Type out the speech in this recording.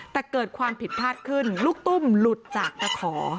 แต่เกิดความผิดพลาดขึ้นลูกตุ้มหลุดจากตะขอ